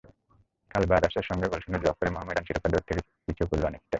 কাল ব্রাদার্সের সঙ্গে গোলশূন্য ড্র করে মোহামেডান শিরোপাদৌড় থেকে পিছিয়ে পড়ল অনেকটাই।